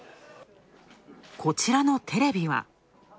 こちらのテレビは。